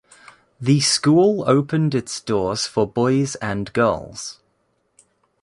The school opened its doors for boys and girls.